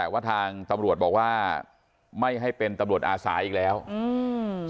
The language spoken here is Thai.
ว่าทางตำรวจบอกว่าไม่ให้เป็นตำรวจอาสาอีกแล้วอืม